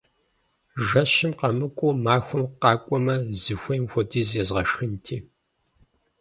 Жэщым къэмыкӀуэу махуэм къакӀуэмэ, зыхуейм хуэдиз езгъэшхынти!